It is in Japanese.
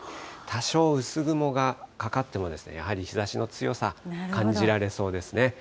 多少、薄雲がかかっても、やはり日ざしの強さ感じられそうですね。